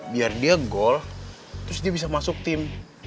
biar dia gol terus dia bisa masuk tim